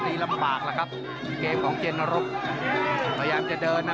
นี่ลำบากแล้วครับเกมของเจนรกพยายามจะเดินนะ